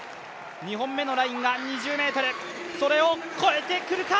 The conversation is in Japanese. ２本目のラインが２０ｍ、それを越えてくるか？